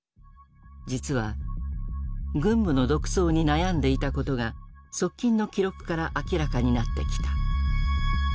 実は軍部の独走に悩んでいたことが側近の記録から明らかになってきた。